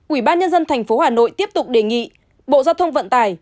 ủy ban nhân dân thành phố hà nội tiếp tục đề nghị bộ giao thông vận tải